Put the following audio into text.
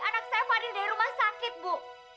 anak saya fadi dari rumah sakit bu